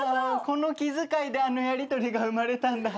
この気遣いであのやりとりが生まれたんだ。